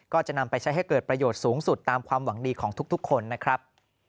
ก็จะนำไปใช้ให้เกิดประโยชน์สูงสุดตามความหวังดีของทุกคนนะครับ